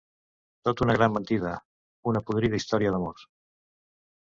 Tot una gran mentida, una podrida història d'amor.